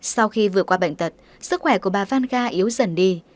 sau khi vừa qua bệnh tật sức khỏe của bà vanga yếu dần đi